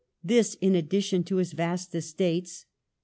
— this in addition to his vast estates.